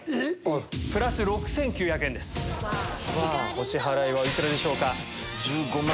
お支払いはお幾らでしょうか？